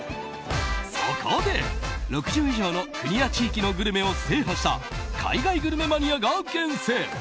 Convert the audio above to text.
そこで、６０以上の国や地域のグルメを制覇した海外グルメマニアが厳選。